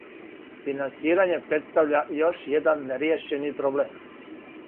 Финансирање представља још један неријешени проблем.